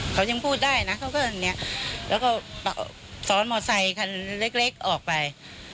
เขายังพูดได้นะเขาก็อย่างนี้แล้วก็ซ้อนมอไซคันเล็กออกไป